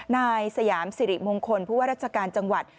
นายสยามสิริมงคลผู้ว่าราชการจังหวัด